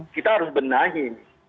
kita harus benahi